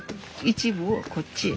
一部をこっちへ。